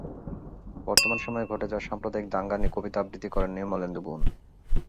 বর্তমান সময়ে ঘটে যাওয়া সাম্প্রদায়িক দাঙ্গা নিয়ে কবিতা আবৃত্তি করেন নির্মলেন্দু গুণ।